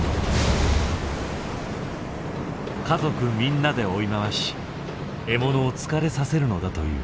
家族みんなで追い回し獲物を疲れさせるのだという。